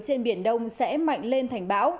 trên biển đông sẽ mạnh lên thành bão